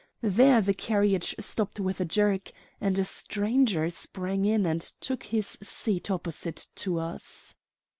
There the carriage stopped with a jerk, and a stranger sprang in and took his seat opposite to us.